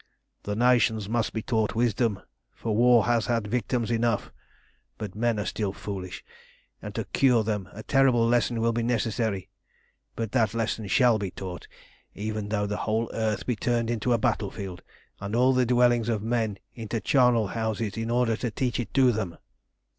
"The nations must be taught wisdom, for war has had victims enough. But men are still foolish, and to cure them a terrible lesson will be necessary. But that lesson shall be taught, even though the whole earth be turned into a battlefield, and all the dwellings of men into charnel houses, in order to teach it to them."